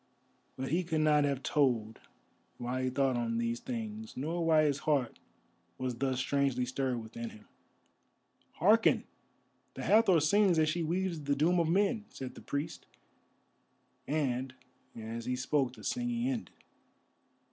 But he could not have told why he thought on these things, nor why his heart was thus strangely stirred within him. "Hearken! the Hathor sings as she weaves the doom of men," said the priest, and as he spoke the singing ended.